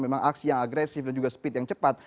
memang aksi yang agresif dan juga speed yang cepat